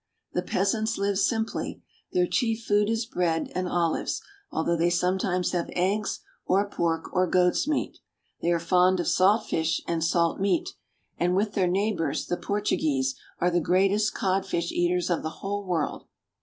The peasants live simply. Their chief food is bread and olives, although they sometimes have eggs, or pork, or goat's meat. They are fond of salt fish and salt meat, and with their neighbors, the Portuguese, are the greatest cod fish eaters of the whole world.